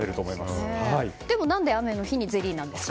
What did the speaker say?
でも何で雨の日にゼリーなんですか？